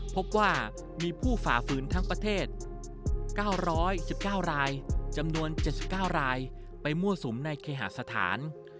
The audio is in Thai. พบว่ามีผู้ฝ่าฝืนทั้งประเทศ๙๑๙รายจำนวน๗๙รายไปมั่วสุมในเคหาสถาน